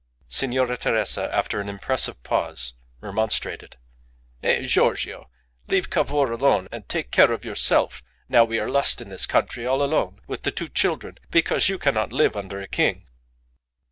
Signora Teresa, after an impressive pause, remonstrated "Eh, Giorgio! Leave Cavour alone and take care of yourself now we are lost in this country all alone with the two children, because you cannot live under a king."